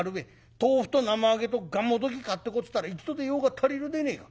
豆腐と生揚げとがんもどき買ってこいっつったら一度で用が足りるでねえか。